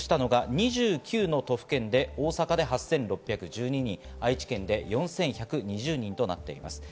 過去最多を記録したのが２９の都府県で大阪で８６１２人、愛知県で４１２０人となっています。